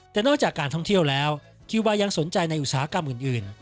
แต่นอกจากการท่องเที่ยวแล้วคิววายังสนใจในอุตสาหกรรมอื่น